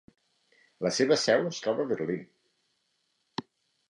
La seva seu es troba a Berlín.